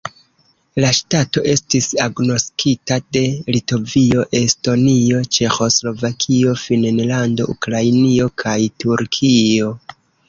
La ŝtato estis agnoskita de Litovio, Estonio, Ĉeĥoslovakio, Finnlando, Ukrainio kaj Turkio.